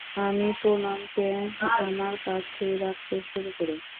আমি পুনমকে আমার কাছেই রাখতে শুরু করি।